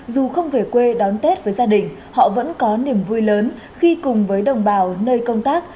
dù không về quê đón tết với gia đình họ vẫn có niềm vui lớn khi cùng với đồng bào nơi công tác